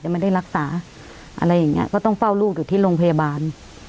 ไม่ได้รักษาอะไรอย่างเงี้ยก็ต้องเฝ้าลูกอยู่ที่โรงพยาบาล